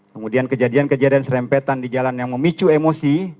kemudian kejadian kejadian serempetan di jalan yang memicu emosi